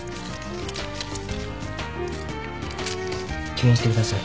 吸引してください。